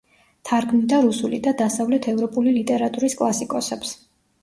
თარგმნიდა რუსული და დასავლეთ ევროპული ლიტერატურის კლასიკოსებს.